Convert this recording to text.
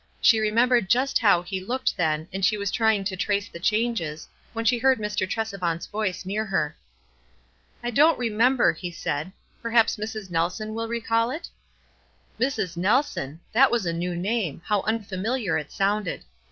She remembered just how ho looked then, and she was trying to trace the changes, when she heard Mr. Tresevant's voice near her. " I don't remember," he said. " Perhaps Mrs. Nelson will recall it?" Mrs. Nelson !— that was a new T name; how unfamiliar it sounded.